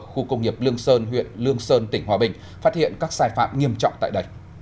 khu công nghiệp lương sơn huyện lương sơn tỉnh hòa bình phát hiện các sai phạm nghiêm trọng tại đây